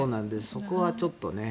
そこはちょっとね。